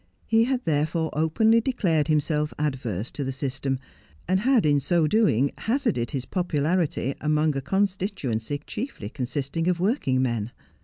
He had, therefore, openly declared himself adverse to the system, and had in so doing hazarded his popularity among a constituency chiefly con sisting of working men.